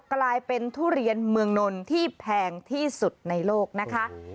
กลายเป็นทุเรียนเมืองนนที่แพงที่สุดในโลกนะคะ